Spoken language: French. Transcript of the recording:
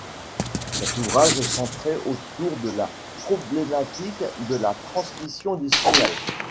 Cet ouvrage est centré autour de la problématique de la transmission du signal.